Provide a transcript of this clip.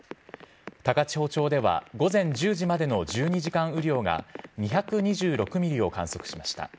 高千穂町では、午前１０時までの１２時間雨量が２２６ミリを観測しました。